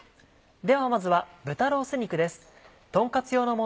ではまずは豚ロース肉です。